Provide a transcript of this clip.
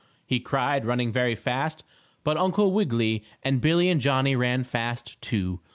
he cried, running very fast. But Uncle Wiggily and Billie and Johnnie ran fast, too.